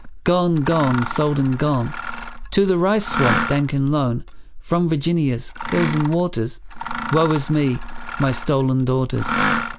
Gone, gone, sold and gone, To the rice swamp dank and lone, From Virginia's hills and waters; Woe is me, my stolen daughters!